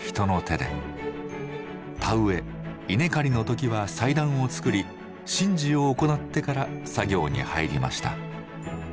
田植え稲刈りの時は祭壇を作り神事を行ってから作業に入りました。